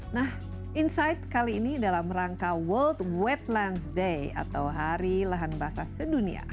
nah insight kali ini dalam rangka world wetlands day atau hari lahan basah sedunia